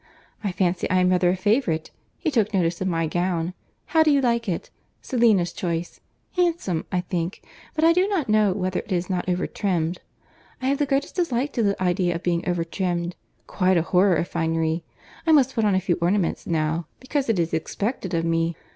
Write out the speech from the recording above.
I fancy I am rather a favourite; he took notice of my gown. How do you like it?—Selina's choice—handsome, I think, but I do not know whether it is not over trimmed; I have the greatest dislike to the idea of being over trimmed—quite a horror of finery. I must put on a few ornaments now, because it is expected of me.